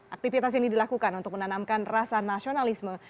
aktivitas ini dilakukan untuk menanamkan rasa nasionalisme